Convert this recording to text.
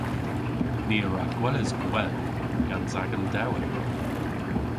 Ni a wra gweles gwell gans agan dewweder.